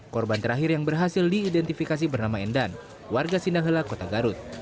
korban terakhir yang berhasil diidentifikasi bernama endan warga sinahela kota garut